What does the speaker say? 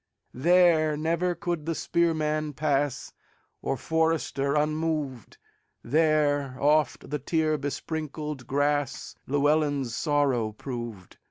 There never could the spearman pass, Or forester, unmoved; There oft the tear besprinkled grassLlewelyn's sorrow proved.